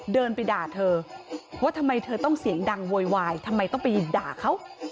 เดินไปด่าเธอว่าทำไมเธอต้องเสียงดังโวยวายทำไมต้องไปด่าเขา